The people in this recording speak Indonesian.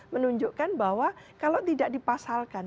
menunjukkan bahwa kalau tidak dipasalkan